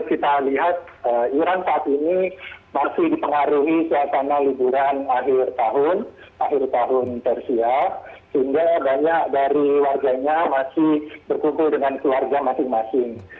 iya jadi kalau kita lihat iran saat ini masih dipengaruhi